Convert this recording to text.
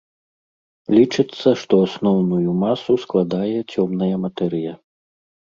Лічыцца, што асноўную масу складае цёмная матэрыя.